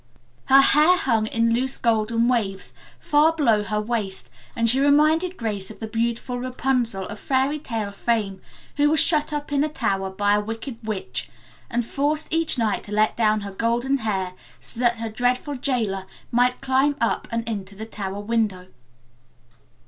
Her hair hung in loose golden waves far below her waist and she reminded Grace of the beautiful Rapunzel of fairy tale fame who was shut up in a tower by a wicked witch and forced each night to let down her golden hair so that her dreadful jailer might climb up and into the tower window.